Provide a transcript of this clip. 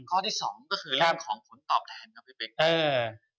ข้อที่สองก็คือเรื่องของผลตอบแทนครับพี่เป๊กอืม